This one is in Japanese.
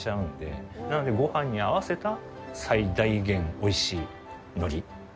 なのでご飯に合わせた最大限美味しい海苔。